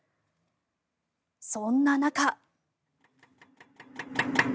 そんな中。